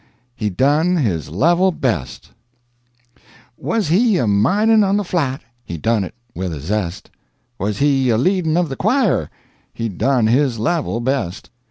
HE DONE HIS LEVEL BEST Was he a mining on the flat He done it with a zest; Was he a leading of the choir He done his level best.